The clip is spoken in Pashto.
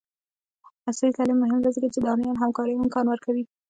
عصري تعلیم مهم دی ځکه چې د آنلاین همکارۍ امکان ورکوي.